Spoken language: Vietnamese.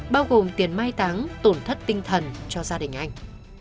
bao gồm tiền mai táng tổn thất tinh thần cho gia đình anh